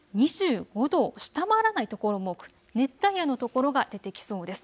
２５度を下回らない所も多く、熱帯夜の所が出てきそうです。